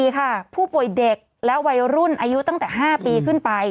๔ค่ะผู้ป่วยเด็กและวัยรุ่นอายุตั้งแต่๕ปีขึ้นไป